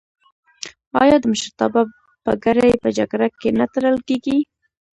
آیا د مشرتابه پګړۍ په جرګه کې نه تړل کیږي؟